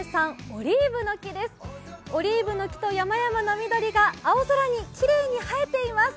オリーブの木と山々の緑が青空にきれいにはえています。